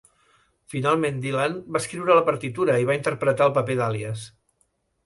Finalment Dylan va escriure la partitura i va interpretar el paper d'"Alias".